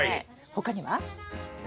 他には。